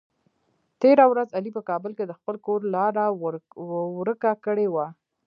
تېره ورځ علي په کابل کې د خپل کور لاره ور که کړې وه.